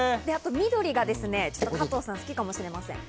緑が加藤さん好きかもしれません。